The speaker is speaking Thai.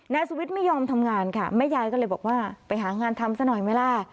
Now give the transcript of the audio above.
นายสุวิทย์ไม่ยอมทำงานค่ะแม่ยายก็เลยบอกว่าไปหางานทำซะหน่อยไหมล่ะ